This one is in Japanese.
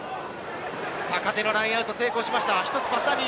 坂手のラインアウト、成功しました。